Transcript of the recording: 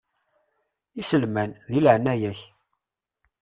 Iselman, di leɛnaya-k.